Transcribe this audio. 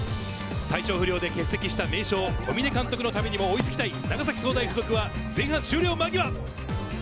体調不良で欠席した名将・小嶺監督のためにも追いつきたい長崎総大附属は前半終了間際。